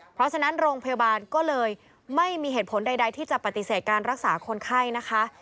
เพราะฉะนั้นโรงพยาบาลก็เลยไม่มีเหตุผลใดที่จะปฏิเสธการรักษาคนไข้นะคะ